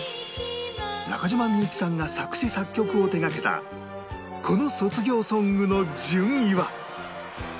中島みゆきさんが作詞・作曲を手掛けたこの卒業ソングの順位は？